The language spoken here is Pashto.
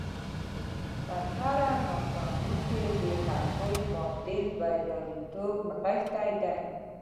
په هره ناکامۍ کې د هغې معادل بریالیتوب نغښتی دی